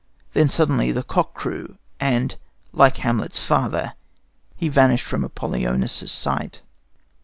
Then suddenly the cock crew, and, like Hamlet's father, he vanished from Apollonius's sight.